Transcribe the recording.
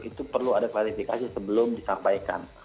itu perlu ada klarifikasi sebelum disampaikan